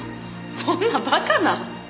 そんな馬鹿な。